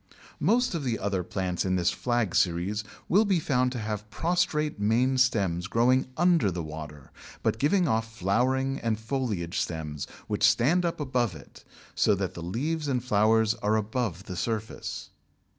Most of the other plants in this Flag series will be found to have prostrate main stems growing under the water, but giving off flowering and foliage stems which stand up above it, so that the leaves and flowers are above the surface.